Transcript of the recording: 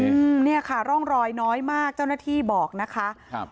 อืมเนี่ยค่ะร่องรอยน้อยมากเจ้าหน้าที่บอกนะคะครับ